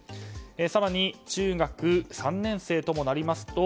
更に中学３年生ともなりますと